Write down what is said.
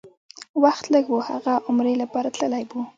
وخت لږ و، هغه عمرې لپاره تللی و.